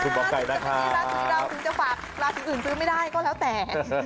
ทุกวันนี้ราชิกเราคือจะฝากราชิกอื่นซื้อไม่ได้ก็แล้วแต่